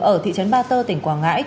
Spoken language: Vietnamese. ở thị trấn ba tơ tỉnh quảng ngãi